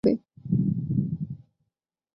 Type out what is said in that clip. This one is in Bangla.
কী সমস্যাই বা হবে?